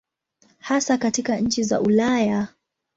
Hasa katika nchi za Ulaya.